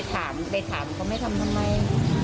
ได้ถามเขาไม่ทำทำไม